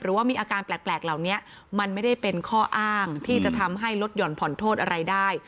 ว่ามีอาการแปลกเหล่านี้มันไม่ได้เป็นข้ออ้างที่จะทำให้ลดห่อนผ่อนโทษอะไรได้